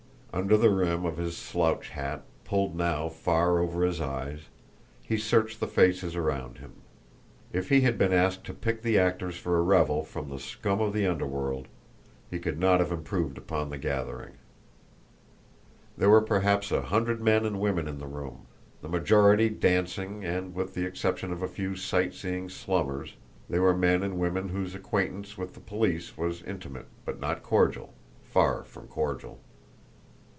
Under the rim of his slouch hat, pulled now far over his eyes, he searched the faces around him. If he had been asked to pick the actors for a revel from the scum of the underworld, he could not have improved upon the gathering. There were perhaps a hundred men and women in the room, the majority dancing, and, with the exception of a few sight seeing slummers, they were men and women whose acquaintance with the police was intimate but not cordial far from cordial.